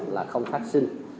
là không phát sinh